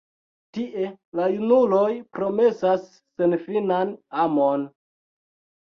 Tie la junuloj promesas senfinan amon.